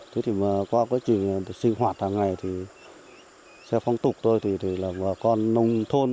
thế thì mà qua quá trình sinh hoạt hàng ngày thì theo phong tục tôi thì là bà con nông thôn